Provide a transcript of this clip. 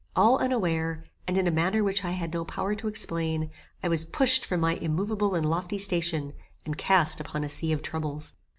All unaware, and in a manner which I had no power to explain, I was pushed from my immoveable and lofty station, and cast upon a sea of troubles.